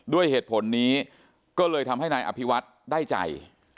ด้วยเหตุผลนี้ก็เลยทำให้นายอภิวัฒน์ได้ใจ